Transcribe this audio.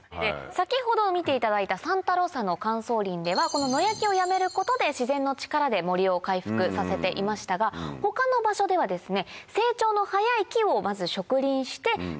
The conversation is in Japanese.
先ほど見ていただいたサンタ・ロサの乾燥林ではこの野焼きをやめることで自然の力で森を回復させていましたが他の場所ではですね。